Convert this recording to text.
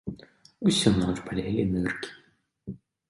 Усю ноч балелі ныркі.